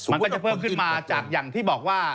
มันก็จะเพิ่มขึ้นมาจากอย่างที่บอกว่า